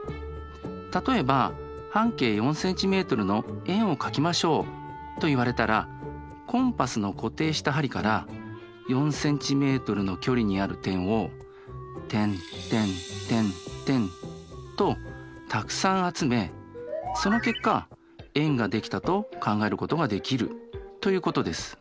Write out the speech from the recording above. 例えば「半径４ｃｍの円を描きましょう」と言われたらコンパスの固定した針から４ｃｍの距離にある点を点点点点とたくさん集めその結果円が出来たと考えることができるということです。